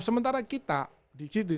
sementara kita di situ